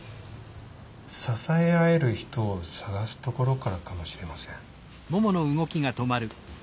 支え合える人を探すところからかもしれません。